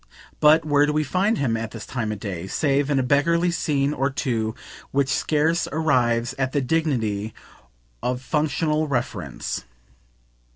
But where do we find him, at this time of day, save in a beggarly scene or two which scarce arrives at the dignity of functional reference?